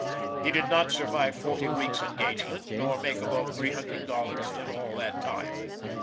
He did not survive forty weeks engagement, nor make above three hundred dollars in all that time.